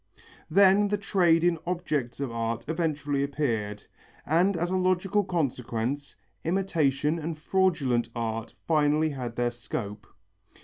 Then the trade in objects of art eventually appeared, and as a logical consequence, imitation and fraudulent art finally had their scope.